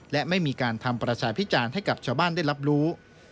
และไม่มีการทำประชาพิจารณ์ให้กับชาวบ้านได้รับรู้